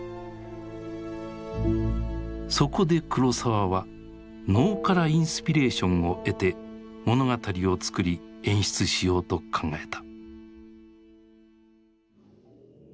そこで黒澤は能からインスピレーションを得て物語を作り演出しようと考えた。